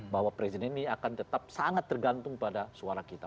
bahwa presiden ini akan tetap sangat tergantung pada suara kita